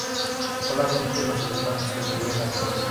Solamente los elefantes sobreviven actualmente.